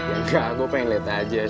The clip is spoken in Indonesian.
enggak gue pengen liat aja